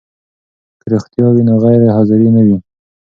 که روغتیا وي نو غیر حاضري نه وي.